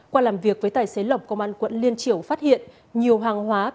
qua làm việc với tài xế lộc công an quận liên triểu phát hiện nhiều hàng hóa